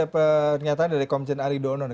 pernyataan dari komjen ari donon